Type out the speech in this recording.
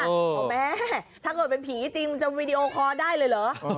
เอาแม่ถ้าเกิดเป็นผีจริงมันจะวีดีโอคอร์ได้เลยเหรอ